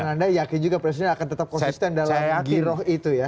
dan anda yakin juga presiden akan tetap konsisten dalam giroh itu ya